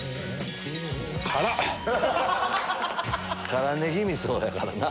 辛ネギ味噌やからな。